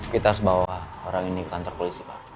kita harus bawa orang ini ke kantor polisi pak